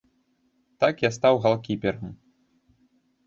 Так я стаў галкіперам.